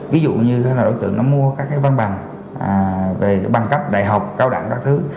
ví dụ như là đối tượng nó mua các cái văn bằng về bằng cấp đại học cao đẳng các thứ